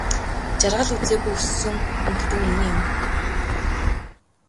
Жаргал үзээгүй өссөн хүн гэдэг үнэн юм.